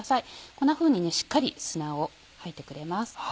こんなふうにしっかり砂を吐いてくれます。